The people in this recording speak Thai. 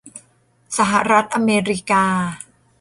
สหรัฐอเมริกา